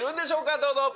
どうぞ。